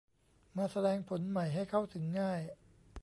มาแสดงผลใหม่ให้เข้าถึงง่าย